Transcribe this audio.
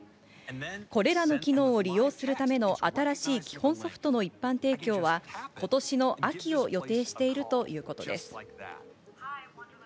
これらの機能を利用するための新しい基本ソフトの一般提供は、今年の秋を予定しているということです。